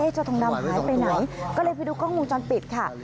เจ้าทองดำหายไปไหนก็เลยไปดูกล้องวงจรปิดค่ะ